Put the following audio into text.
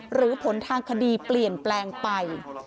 หรือผลทางคดีเปลี่ยนแปลงไป